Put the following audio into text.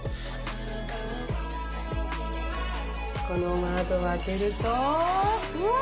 この窓を開けるとうわあっ！